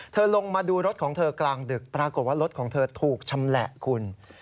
ลงมาดูรถของเธอกลางดึกปรากฏว่ารถของเธอถูกชำแหละคุณ